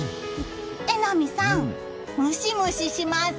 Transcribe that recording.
榎並さん、ムシムシします。